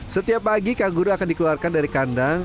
setiap pagi kaguru akan dikeluarkan dari kandang